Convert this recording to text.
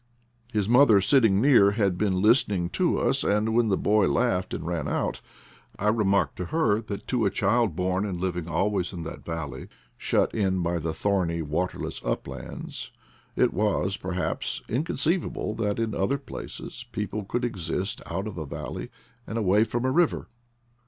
His mother, sitting near, had been listening to us, and when the boy laughed and ran out, I remarked to her that to a child born and living always in that valley, shut in by the 46 IDLE DAYS IN PATAGONIA thorny, waterless uplands, it was, perhaps, incon ceivable that in other places people could exist out of a valley and away from a river.